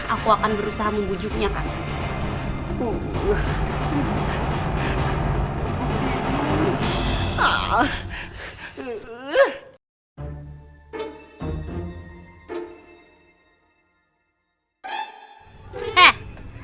aku akan berusaha membujuknya kak